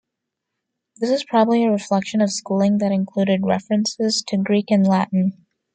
This is probably a reflection of schooling that included references to Greek and Latin.